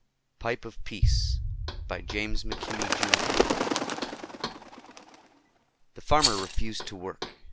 _ Pipe of Peace By James McKimmey, Jr. The farmer refused to work.